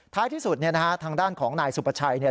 ท้ายที่สุดเนี่ยนะฮะทางด้านของนายสุประชัยเนี่ย